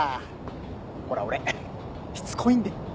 ほら俺しつこいんで。